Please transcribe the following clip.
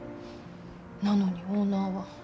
なのにオーナーは。